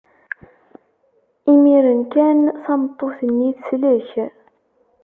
Imiren kan tameṭṭut-nni teslek.